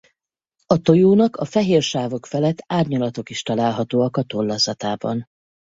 A tojónak a fehér sávok felett árnyalatok is találhatóak a tollazatában.